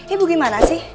ibu gimana sih